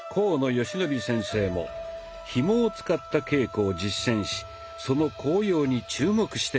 善紀先生もひもを使った稽古を実践しその効用に注目しています。